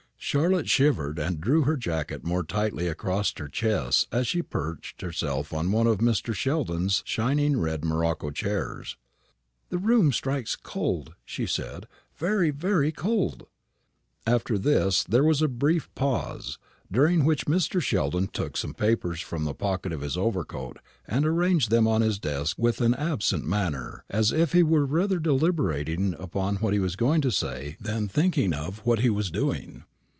Charlotte shivered, and drew her jacket more tightly across her chest as she perched herself on one of Mr. Sheldon's shining red morocco chairs. "The room strikes cold," she said; "very, very cold." After this there was a brief pause, during which Mr. Sheldon took some papers from the pocket of his overcoat, and arranged them on his desk with an absent manner, as if he were rather deliberating upon what he was going to say than thinking of what he was doing.